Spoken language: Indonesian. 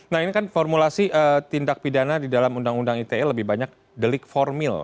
nah ini kan formulasi tindak pidana di dalam undang undang ite lebih banyak delik formil